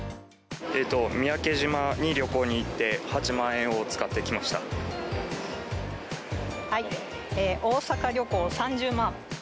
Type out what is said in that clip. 三宅島に旅行に行って、大阪旅行３０万。